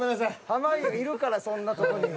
濱家がいるからそんなとこに。